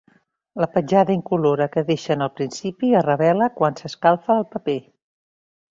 La petjada incolora que deixen al principi es revela quan s'escalfa el paper.